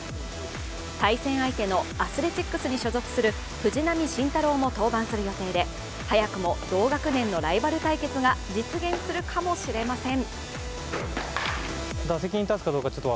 対戦相手のアスレチックスに所属する藤浪晋太郎も登板する予定で早くも同学年のライバル対決が実現するかもしれません。